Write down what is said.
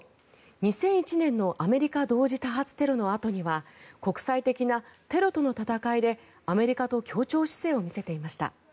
２００１年のアメリカ同時多発テロのあとには国際的なテロとの戦いでアメリカと協調姿勢を見せていました。